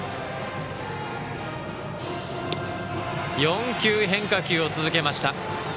４球、変化球を続けました。